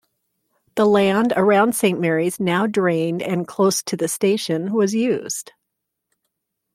The land around Saint Mary's, now drained and close to the station was used.